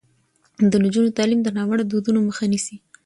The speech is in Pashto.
د نجونو تعلیم د ناوړه دودونو مخه نیسي.